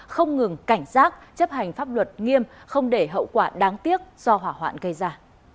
không ngừng cảnh giác chấp hành pháp luật nghiêm không để hậu quả đáng tiếc do hỏa hoạn gây ra